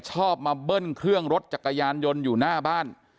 ชอบมาเบิ้ลเครื่องรถจักรยานยนต์อยู่หน้าบ้าน